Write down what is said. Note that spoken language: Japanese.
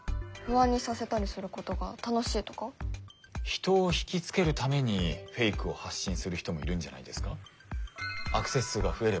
人を引きつけるためにフェイクを発信する人もいるんじゃないですか？